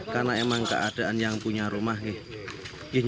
karena emang keadaan yang punya rumah ini